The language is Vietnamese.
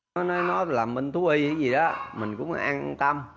nó nói làm bệnh túi hay gì đó mình cũng ăn tăm